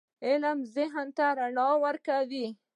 علم ذهن ته رڼا ورکوي.